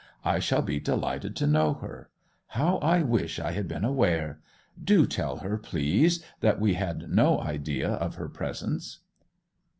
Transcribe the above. I shall be delighted to know her. How I wish I had been aware! Do tell her, please, that we had no idea of her presence.